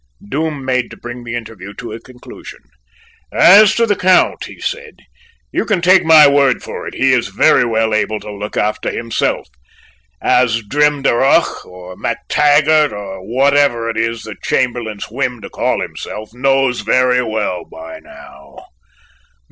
Doom made to bring the interview to a conclusion. "As to the Count," said he, "you can take my word for it, he is very well able to look after himself, as Drimdarroch, or MacTaggart, or whatever is the Chamberlain's whim to call himself, knows very well by now.